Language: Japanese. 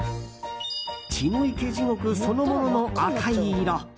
血の池地獄そのものの赤い色。